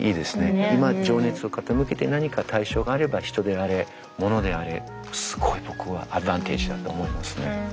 今情熱を傾けて何か対象があれば人であれ物であれすごい僕はアドバンテージだと思いますね。